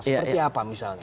seperti apa misalnya